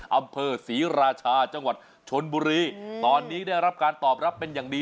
อำเภอศรีราชาจังหวัดชนบุรีตอนนี้ได้รับการตอบรับเป็นอย่างดี